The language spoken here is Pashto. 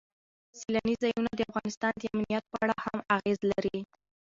سیلانی ځایونه د افغانستان د امنیت په اړه هم اغېز لري.